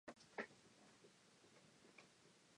Baker, Nolan and Aston sought legal advice over the matter.